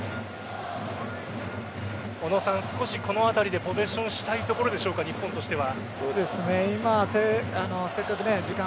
小野さん、少しこのあたりでポゼッションしたいところでしょうか日本としては。